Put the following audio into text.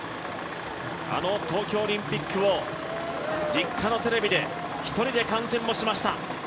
あの東京オリンピックを実家のテレビで一人で観戦もしました。